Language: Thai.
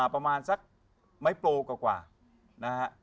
ประมาณสักไม้โปรกว่านะฮะ